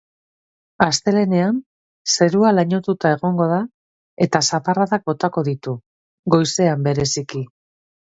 Astelehenean, zerua lainotuta egongo da eta zaparradak botako ditu, goizean bereziki.